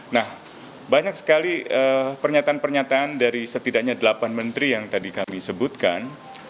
nah banyak sekali pernyataan pernyataan dari setidaknya delapan menteri yang tadi kami sebutkan